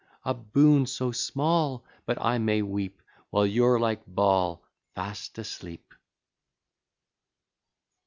A boon so small! but I may weep, While you're like Baal, fast asleep.